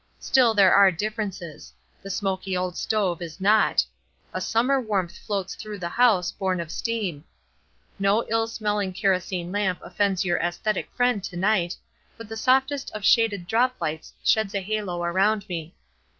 Still there are differences; the smoky old stove is not; a summer warmth floats through the house, born of steam; no ill smelling kerosene lamp offends your aesthetic friend to night, but the softest of shaded drop lights sheds a halo around me.